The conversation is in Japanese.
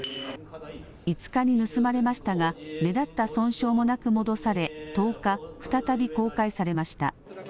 ５日に盗まれましたが、目立った損傷もなく戻され、１０日、再び公開されました。